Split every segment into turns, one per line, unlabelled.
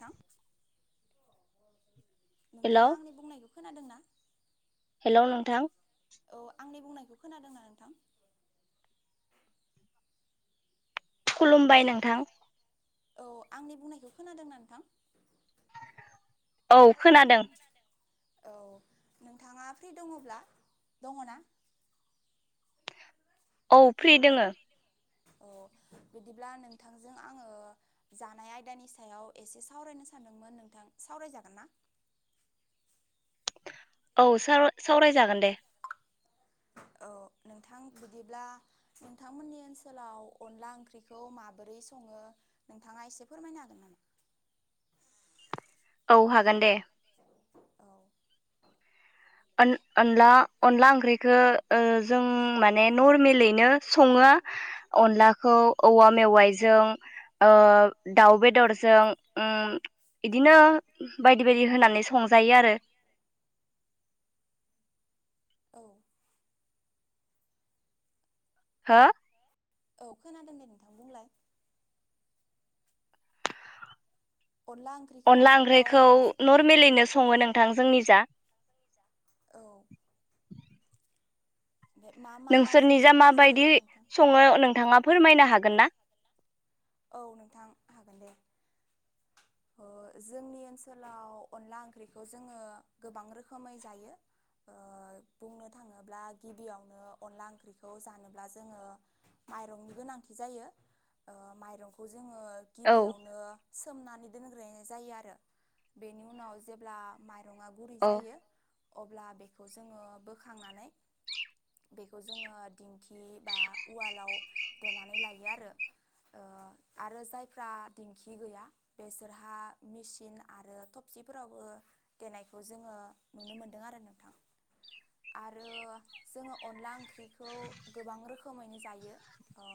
नोंथां नोंथाङा आंनि बुंनायखौ खोनादों ना
हेल' नोंथां
औ आंनि बुंनायखौ खोनादोंना नोंथां
खुलुमबाय नोंथां
औ आंनि बुंनायखौ खोनादोंना नोंथां
औ खोनादों
औ नोंथाङा फ्रि दङब्ला दङ ना
औ फ्रि दोङो
औ बिदिब्ला नोंथांजों आङो जानाय आयदानि सायाव एसे सावरायनो सानदोंमोन नोंथां सावरायजागोन ना
औ साव सावरायजागोन दे
औ नोंथां बिदिब्ला नोंथांमोननि ओनसोलाव अनला ओंख्रिखौ माबोरै सङो नोंथाङा एसे फोरमायनो हागोन नामा?
औ हागोन दे अन अनला अनला ओंख्रिखौ जों माने नर्मेलैनो सङो अनलाखौ औवा मेवाइजों दाउ बे दरजों उम बिदिनो बायदि बायदि होनानै संजायो आरो
औ
हो
औ खोनादों दे नोंथां बुंलाय
अनला ओंख्रिखौ नरमेलैनो सङो नोंथां जोंनि जा नोंसोरनि जा माबायदि सङो नोंथाङा फोरमायनो हा गोन ना
औ नोंथां हागोन दे जोंनि ओनसोलाव अनला ओंख्रिखौ जोङो गोबां रोखोमै जायो ओ बुंनो थाङोब्ला गिबियावनो अनला ओंख्रिखौ जानोब्ला जोङो माइरंनि गोनांथि जायो ओ माइ रंखौ जोङो गिबियावनो सोमनानै दोनग्रोनाय जायो आरो बेनि उनाव जेब्ला माइ रङा गुरि जायो अब्ला बेखौ जोङो बोखांनानै बेखौ जोङो दिंखि बा उवालाव देनानै लायो आरो ओ आरो जायफ्रा दिंखि गैया बेसोरहा मेसिन आरो थबसिफोरावबो देनायखौ जोङो नुनो मोनदों आरो नोंथां आरो जोङो अनला ओंख्रिखौ गोबां रोखोमैनो जायो ओ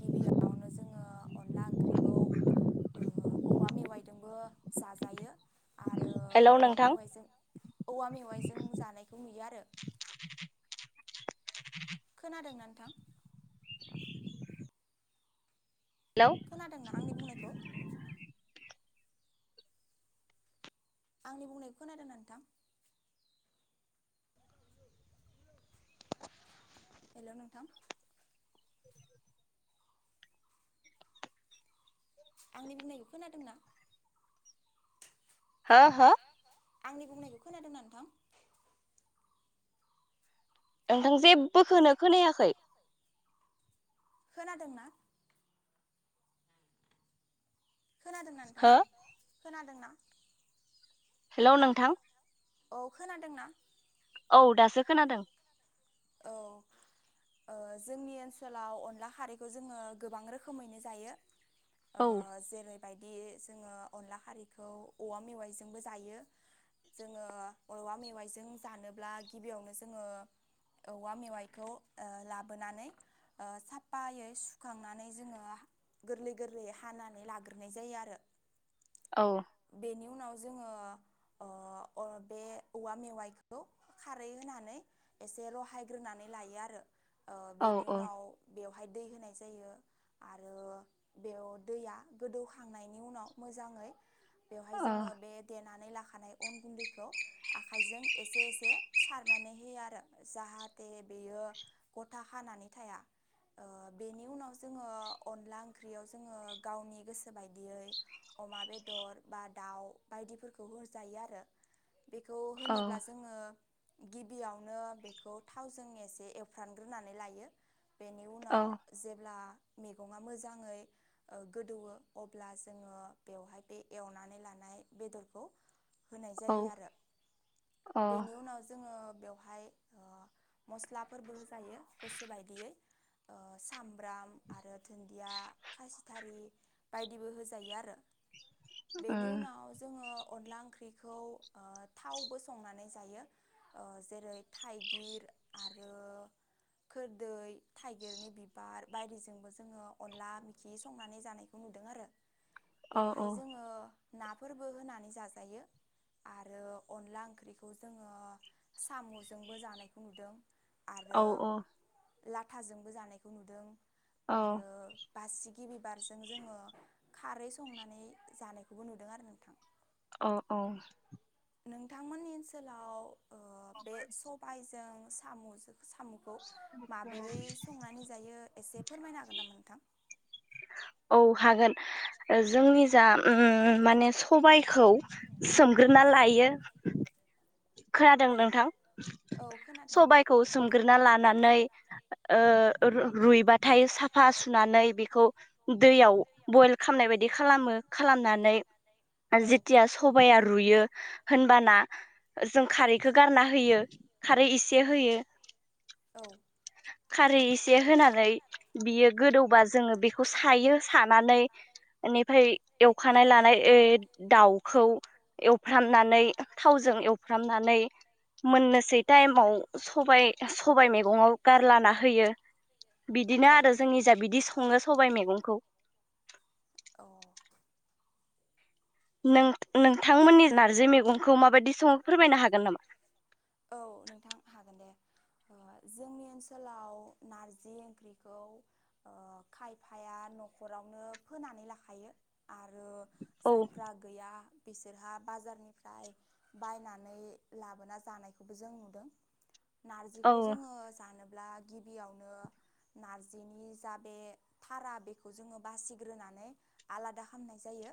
गिबियावनो जोङो अनला ओंख्रिखौ ओ औवा मेवाइजोंबो जाजायो। आरो औवा मेवाइजों औवा मेवाइजों जानायखौ नुयो आरो। खोनादों नोंथां। खोनादोंना आंनि बुंनायखौ आंनि बुंनायखौ खोनादों ना नोंथां?। हेल' नोंथां। आंनि बुंनायखौ खोनादोंना?
हो हो
आंनि बुंनायखौ खोनादोंना नोंथां?
नोंथां जेबोखौनो खोनायाखै
खोनादोंना? खोनादोंना नोंथां खोनादोंना?
हेल' नोंथां।
औ खोनादोंना?
औ दासो खोनादों।
औ ओ जोंनि‌ ओनसोलाव अनला खारैखौ जोङो गोबां रोखोमैनो जायो। ओ जेरै बायदि जोङो अनला खारखौ औवा मेवाइजोंबो जायो जोङो औवा मेवाइजों जानोब्ला गिबियावनो जोङो औवा मेवाइखौ लाबोनानै साफायै सुखांनानै जोङो गोरलै गोरलैयै हानानै लाग्रोनाय जायो आरो।
औ
उनाव जोङो ओ अ बे औवा मेवखौ खारै होनानै ज र'हायग्रोनानै लायो आरो। ओ बेनि उनाव बेवहाय दै होनाय जायो आरो बेयाव दैया गोदौखांनायनि उनाव मोजाङै बेवहाय जोङो बे देना नानै लाखानाय अन गुन्दैखौ आखाइजों एसे एसे सारनानै होयो आरो। जाहाथे बेयो गथा हानानै थाया बेनि उनाव जोङो अनला ओंख्रियाव जोङो गावनि बेखौ होनोब्ला जोङो गिबियावनो बेखौ थावजों एसे एवफ्रानग्रोनानै लायो। बेनि उनाव जेब्ला मैगङा मोजाङै गोदौवो अब्ला जोङो बेवहाय बे एवनानै लानाय बेदरखौ होनाय जायो आरो बेनि उनाव जोङो बेवहाय मस्लाफोरबो होजायो गोसो बायदियै सामब्राम आरो दुन्दिया खासिथारि बायदिबो होजायो आरो। बेनि उनाव जोङो अनला ओंख्रिखौ थावबो संनानै जायो जेरै थाइगिर आरो खोरदै थाइलिरनि बिबार बायदि जोंबो जोङो अनला मिखि संनानै जानाय खौ नुदों आरो बेवहाय जोङो नाफोरबो होनानै जाजायो आरो अनला ओंख्रिखौ जोङो साम जोंबो जानायखौ नुदों। आरो लाथाजोंबो जानायखौ नुदों।
औ।
बासिगिबिबारजों जोङो खारै संनानै जानायखौबो नुदों आरो नोंथां।
अ औ।
नोंथांमोननि ओनसोलाव बे सबायाइजों साम'जों साम'खौ माबोरै संनानै जायो एसे फोरमायनो हागोन नामा नोंथां?
औ हागोन जोंनि जा माने सबायाइखौ सोमग्रोना लायो खोनादों नोंथां सबायखौ सोमग्रोना लानानै ओ रुइबाथाय साफा सुनानै बेखौ दैयाव बयल खालामनाय बायदि खालामो खालामनानै जेथिया सबाया रुयो होनबाना जों खारैखौ गारना होयो खारै इसे एसे होयो खारै एसे होना बियो गोदौबा जोङो बेखौ सायो सानानै बेनिफ्राय एवखानाय लानाय दाउखौ एवफ्रामनानै थावजों हुफ्रामनानै मोननोसै टाइमाव स सबाइ मैगङाव गारलाना होयो। बिदिनो आरो जोंनि जा बिदि सङो सबाय मैगंखौ। नोंथांमोननि नारजि मैगंखौ माबायदि सङो फोरमायनो हागोन नामा?
जोंनि ओनसोलाव नारजि ओंख्रिखौ खायफाया न'खरावनो फोनानै लाखायो आरो जायफ्रा गैया बिसोरहा बाजारनि ओमफ्राय बायनानै लाबोना जानायखौबो जों नुदों। नारजिखौ जोङो जानो ब्ला गिबियावनो नारजिनि जा बे थारा बेखौ जोङो बासिग्रोनानै आलादा खालामनाय जायो।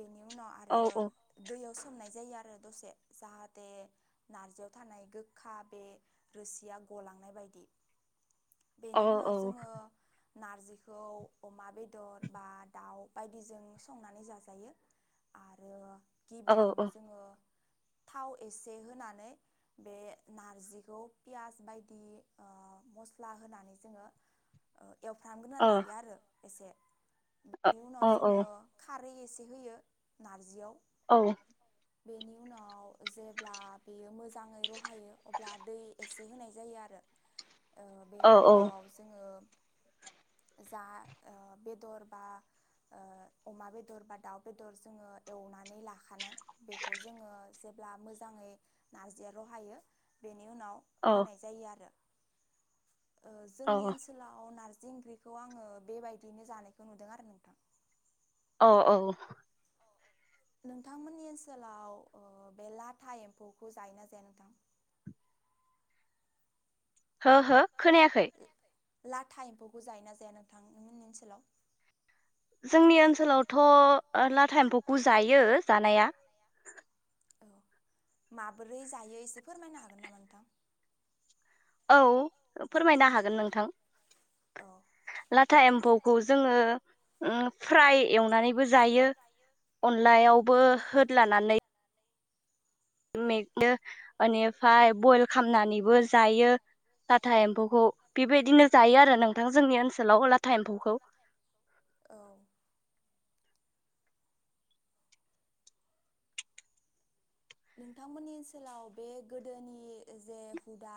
बेनि उनाव आरो दैयाव दोनथुमनाय जायो आरो दसे जाहाथे नारजियाव थानाय गोखा बे रोसिया गलांनाय बायदि बेनि उनाव जोङो नारजिखौ अमा बेदर बा दाउ बायदिजों संनानै जाजायो आरो बेयावनो जोङो थाव एसे होनानै बे नारजिखौ पियास बायदि मस्ला होनानै जोङो ओ एवफ्रामग्रोना लायो आरो एसे बिनि उनाव जोङो खारै एसे होयो नारजियाव
ओ
बेनि उनाव जेब्ला बेयो मोजाङै रहायो अब्ला दै एसे होनाय जायो आरो ओ बेनि उनाव जोङो जा ओ बेदर बा ओ अमा बेदर बा दाउ बेदर जोङो एवनानै ला खानाय बेखौ जोङो जेब्ला मोजाङै नारजिया रहायो बेनि उनाव होनाय जायो आरो ओ जोंनि ओनसोलाव नार जिंख्रिखौ आङो बेबायदिनो जानायखौ नुदों आरो नोंथां
औ औ
नोंथांमोननि ओनसोलाव ओ बे लाथा एम्फौखौ जायो ना जाया नोंथां
हो हो खोनायाखै
लाटा एम्फौखौ जायोना जाया नोंथांमोननि ओनसोलाव
जोंनि ओनसोलावथ' लाथा एम्फौखौ जायो जानाया
औ माबोरै जायो एसे फोरमायनो हागोन नामा नोंथां
औ फोरमायनो हागोन नोंथां
औ
लाथा एम्फौखौ जोङो उम फ्राय एवनानैबो जायो अनलायावबो होदलानानै मेगनो इनिफाय बयल खामनानैबो जायो लाटा एम्फौखौ बेबायदिनो जायो आरो नोंथां जोंनि ओनसोलाव लाथा एम्फौखौ
नोंथांमोननि ओनसोलाव बे गोदोनि जे हुदा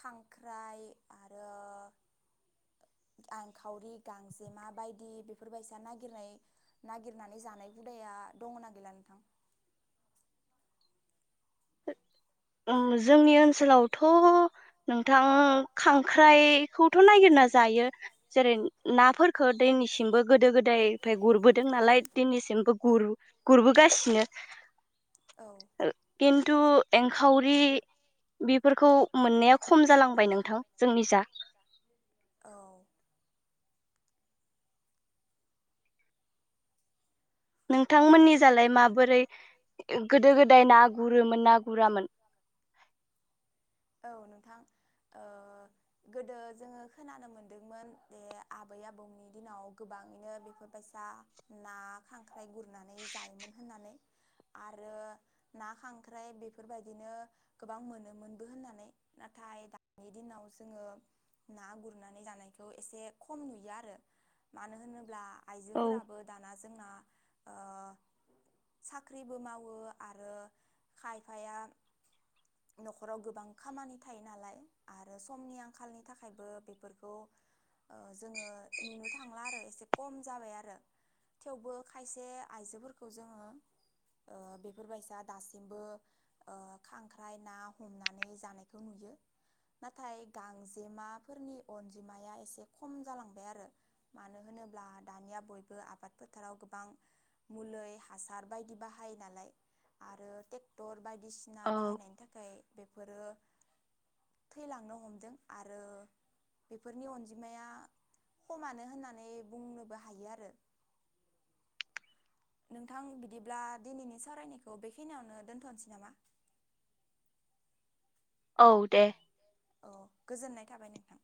खांख्राइ आरो आंखावरि गांजेमा बायदि बेफोरबायायसा नागिरनाय नागिरनानै जानाय हुदाया दङना गैला नोंथां
उम जोंनि ओनसोलावथ' नोंथां खांख्राइखौथ' नागिरना जायो जेरै नाफोरखौ दैनिसिमबो गोदो गोदायनिफ्राय गुरबोदों नालाय दैनिसिमबो गुरबोगासिनो खिन्थु खावरि बि फोरखौ मोननाया खम जालांबाय नोंथां जोंनि जा नोंथांमोननि जालाय माबोरै गोदो गोदाय ना गुरोमोन ना गुरामोन
थां ओ गोदो जोङो खोनानो मोनदोंमोन जे आबै आबौनि दिनाव गोबाङैनो बेफोरबायसा ना खां खांख्राइ गुरनानै जायोमोन होननानै आरो ना खांख्राइ बेफोरबायदिनो गोबां मोनोमोनबो होननानै नाथाय दानि दिनाव जोङो ना गुरनानै जानायखौ एसे खम नुयो आरो मानो होनोब्ला आइजोफोराबो दाना जोंना ओ साख्रिबो मावो आरो खायफाया न'खराव गोबां ओ खामानि थायो नालाय आरो समनि आंखालनि थाखायबो बेफोरखौ ओ जोङो नुनो थांला आरो एसे खम जाबाय आरो थेवबो खायसे आइजोफोरखौ जोङो ओ बेफोरबायसा दासिमबो ओ खांख्राइ ना हमनानै जानायखौ नुयो नाथाय गांजेमाफोरनि अनजिमाया एसे खम जालांबाय आरो मानो होनोब्ला दानिया बयबो आबाद फोथाराव गो बां मुलै हासार बायदि बाहायो नालाय आरो ट्रेकटर बाय बायदिसिना बाहायनायनि थाखाय बे फोरो थैलांनो हमदों आरो बेफोरनि अनजिमाया खमानो होननानै बुंनोबो हायो आरो नोंथां बिदिब्ला दिनैनि सावरायनायखौ बेखिनियावनो दोन्थ'नोसै नामा
औ दे
औ गोजोननाय थाबाय नोंथां